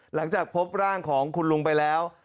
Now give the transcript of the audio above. หลังจากพบร่างของคุณลุงไปแล้ว